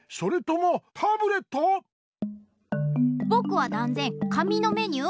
ぼくはだんぜん紙のメニュー。